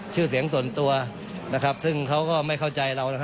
ชื่อเสียงส่วนตัวซึ่งเขาก็ไม่เข้าใจเรา